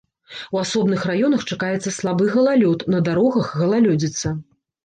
У асобных раёнах чакаецца слабы галалёд, на дарогах галалёдзіца.